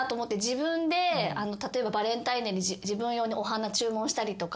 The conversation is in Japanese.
自分で例えばバレンタインデーに自分用にお花注文したりとか。